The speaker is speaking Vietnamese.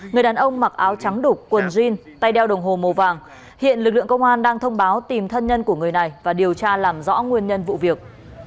người đàn ông mặc áo trắng đục quần jean tay đeo đồng hồ màu vàng hiện lực lượng công an đang thông báo tìm thân nhân của người này và điều tra làm rõ nguyên nhân vụ việc